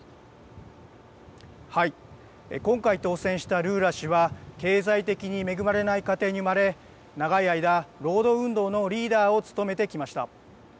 今回当選したルーラ氏は経済的に恵まれない家庭に生まれ長い間、労働運動のリーダーを務めてきました。